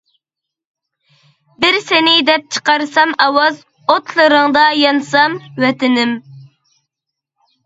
بىر سېنى دەپ چىقارسام ئاۋاز، ئوتلىرىڭدا يانسام، ۋەتىنىم!